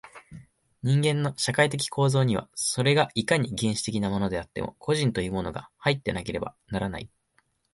人間の社会的構造には、それがいかに原始的なものであっても、個人というものが入っていなければならない。